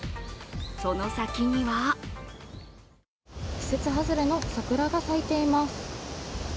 その先には季節外れの桜が咲いています。